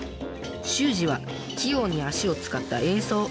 しゅうじは器用に足を使った演奏。